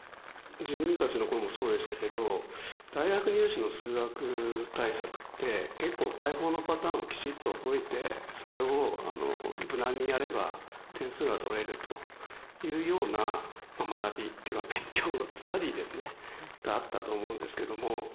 自分たちの頃もそうでしたけど大学入試の数学対策って結構解法のパターンをきちっと覚えてそれを無難にやれば点数が取れるというような学びっていうか勉強スタディーですねがあったと思うんですけども。